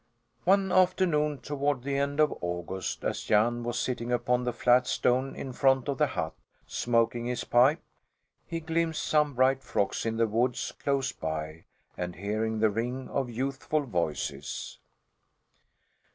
One afternoon, toward the end of August, as Jan was sitting upon the flat stone in front of the hut, smoking his pipe, he glimpsed some bright frocks in the woods close by, and heard the ring of youthful voices.